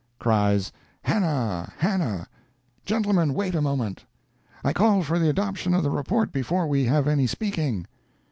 [Cries, "Hannah! Hannah!" "Gentlemen, wait a moment!" "I call for the adoption of the report before we have any speaking!"